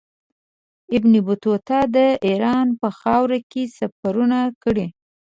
ابن بطوطه د ایران په خاوره کې سفرونه کړي.